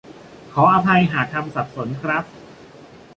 ขออภัยหากทำสับสนครับ